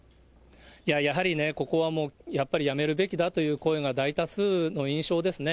やはりね、ここはやっぱり辞めるべきだという声が大多数の印象ですね。